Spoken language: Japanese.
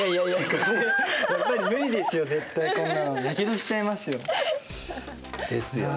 これやっぱり無理ですよ絶対こんなのやけどしちゃいますよ。ですよね。